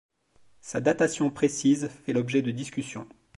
Sa datation précise fait l'objet de discussions.